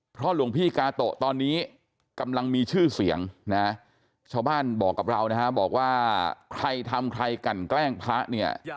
เพราะหลวงพี่กาโตะตอนนี้กำลังมีชื่อเสียงนะชาวบ้านบอกกับเรานะฮะบอกว่าใครทำใครกันแกล้งพระเนี่ย